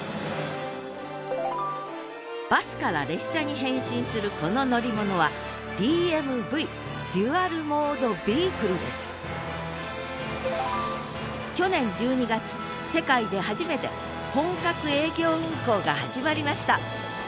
バスから列車に変身するこの乗り物はＤＭＶデュアル・モード・ビークルです去年１２月世界で初めて本格営業運行が始まりました